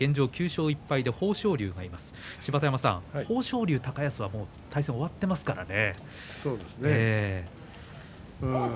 ９勝１敗の豊昇龍豊昇龍、高安はもう対戦が終わってますからね。